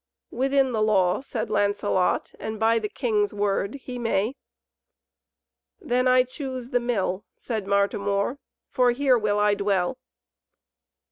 "Within the law," said Lancelot, "and by the King's word he may." "Then choose I the Mill," said Martimor, "for here will I dwell."